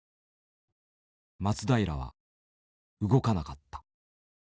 松平は動かなかった。